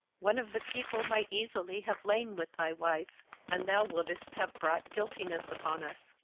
one of the people might easily have lain with thy wife, and thou wouldest have brought guiltiness upon us.'